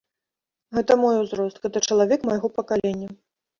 Гэта мой узрост, гэта чалавек майго пакалення.